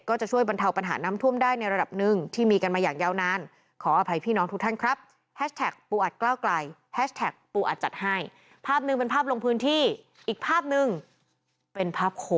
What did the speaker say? ก็จะช่วยบรรเทาปัญหาน้ำท่วมได้ในระดับหนึ่งที่มีกันมาอย่างยาวนาน